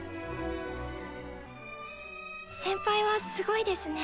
先輩はすごいですね。